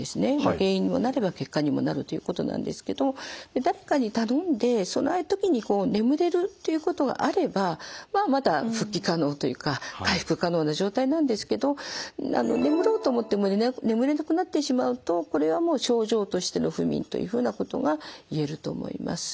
原因にもなれば結果にもなるということなんですけども誰かに頼んでその間に眠れるっていうことがあればまあまだ復帰可能というか回復可能な状態なんですけど眠ろうと思っても眠れなくなってしまうとこれはもう症状としての不眠というふうなことが言えると思います。